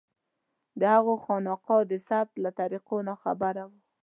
د هغو خالقان د ثبت له طریقو ناخبره وو.